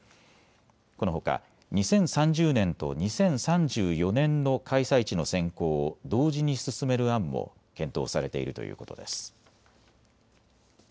このほか２０３０年と２０３４年の開催地の選考を同時に進める案も検討されているということです。